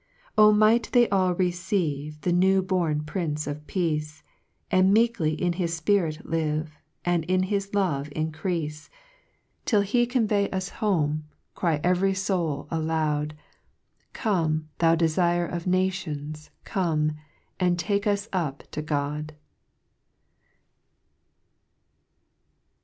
5 O might they all receive, The new born Prince of Peace, And meikly in his Spirit live. And in his love increafel A & Till ( io ) Till he convey us home. Cry every foul aloud, " Come, thou Defire of Nations, come, And take us up to God."